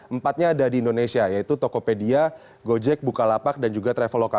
empatnya ada di indonesia yaitu tokopedia gojek bukalapak dan juga traveloka